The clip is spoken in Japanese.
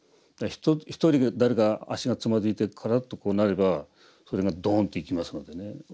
１人が誰か足がつまずいてカラッとこうなればそれがドーンといきますのでね